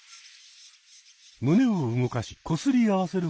胸を動かしこすり合わせる